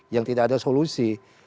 yang tidak ada solusi